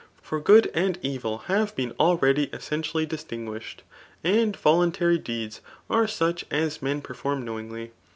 For good and evil have been already essentiaUy distinguished ; and voluntary deeds are such as men perform knowingly.